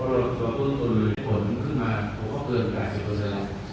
พอเราต้นกลัวผลขึ้นมาก็เกิน๙๐นะครับ